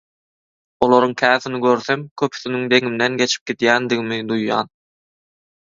Olaryň käsini görsem, köpüsiniň deňimden geçip gidýändigimi duýýan.